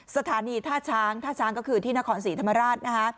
สถานีท่าช้างท่าช้างก็คือที่นครศรีธรรมราชนะคะ